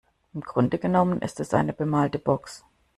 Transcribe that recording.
Im Grunde genommen ist es eine bemalte Box.